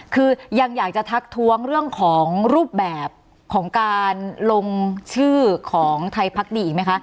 คือยังอยากจะทักท้วงเรื่องของรูปแบบของการลงชื่อของไทยพักดีอีกไหมคะ